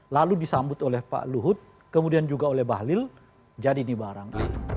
lalu disambut oleh pak luhut kemudian juga oleh pak lul jadi ini barang